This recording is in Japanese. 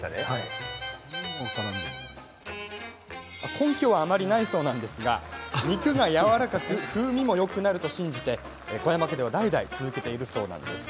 根拠は、あまりないそうですが肉がやわらかく風味もよくなると信じて小山家では代々続けているそうです。